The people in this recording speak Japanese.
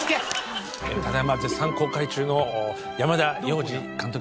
ただいま絶賛公開中の山田洋次監督